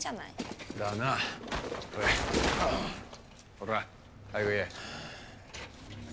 ほら早く言え。